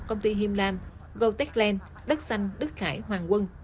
công ty him lam golteland đất xanh đức khải hoàng quân